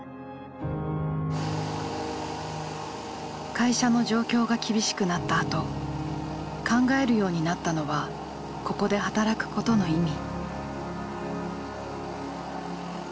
会社の状況が厳しくなったあと考えるようになったのはここで働くことの意味。